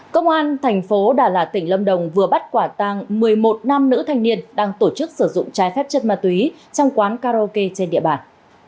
công an thành phố đà lạt tỉnh lâm đồng vừa bắt quả tàng một mươi một nam nữ thanh niên đang tổ chức sử dụng trái phép chất ma túy trong quán karaoke trên địa bàn